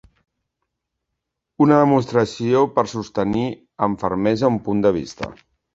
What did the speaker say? Una demostració per sostenir amb fermesa un punt de vista.